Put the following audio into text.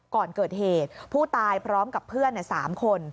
ก่อนเกิดเหตุผู้ตายพร้อมกับเพื่อน๓คน